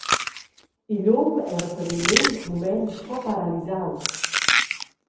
Igl um era per in liung mument sco paralisaus.